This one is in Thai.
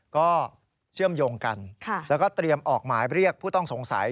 ก็เชื่อมโยงกันแล้วก็เตรียมออกหมายเรียกผู้ต้องสงสัย